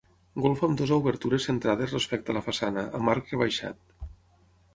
Golfa amb dues obertures centrades respecte a la façana, amb arc rebaixat.